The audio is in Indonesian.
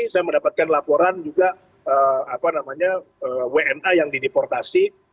saya mendapatkan laporan juga apa namanya wna yang dideportasi